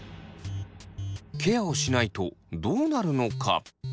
ケアをしないとどうなるのか？